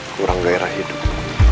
kurang gairah hidup